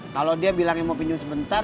kalau dia bilangnya mau penyu sebentar